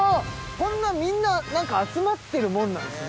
こんなみんな集まってるもんなんですね。